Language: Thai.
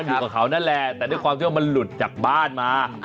อยู่กับเขานั่นแหละแต่ด้วยความที่ว่ามันหลุดจากบ้านมา